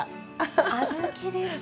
小豆ですか。